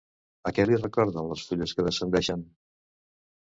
A què li recorden les fulles que descendeixen?